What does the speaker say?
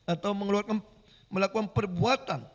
atau melakukan perbuatan